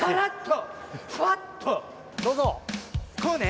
こうね。